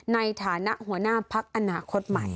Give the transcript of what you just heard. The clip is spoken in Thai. ในฐานะหัวหน้าพักอนาคตใหม่